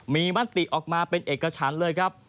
มีมติออกมาเป็นเอกฉันเลยครับ